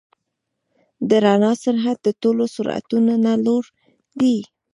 د رڼا سرعت د ټولو سرعتونو نه لوړ دی.